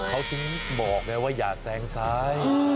เขาซิ้นบอกว่าอยากแซงซ้าย